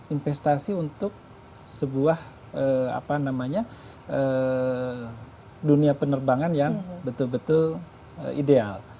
investasi untuk sebuah dunia penerbangan yang betul betul ideal